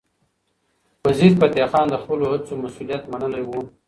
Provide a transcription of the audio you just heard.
وزیرفتح خان د خپلو هڅو مسؤلیت منلی و.